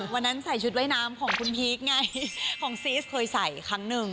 วันนั้นใส่ชุดว่ายน้ำของคุณพีคไงของซีสเคยใส่ครั้งหนึ่ง